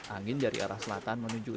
angin dari arah selatan menuju